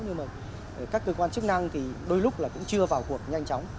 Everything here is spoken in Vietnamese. nhưng mà các cơ quan chức năng thì đôi lúc là cũng chưa vào cuộc nhanh chóng